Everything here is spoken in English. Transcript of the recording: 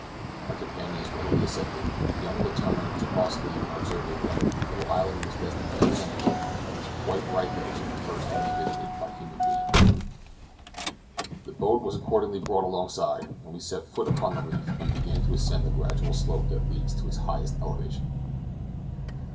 My companions readily assented, young Letourneur jocosely observing that if the little island was destined to vanish, it was quite right that it should first be visited by human beings. The boat was accordingly brought alongside, and we set foot upon the reef, and began to ascend the gradual slope that leads to its highest elevation.